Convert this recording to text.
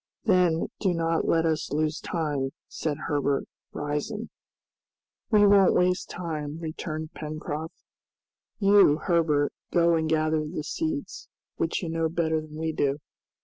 "Then do not let us lose time," said Herbert, rising. "We won't waste time," returned Pencroft. "You, Herbert, go and gather the seeds, which you know better than we do.